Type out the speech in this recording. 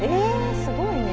すごいね。